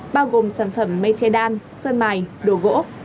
bao gồm sản phẩm mây che đan sơn mài đồ gỗ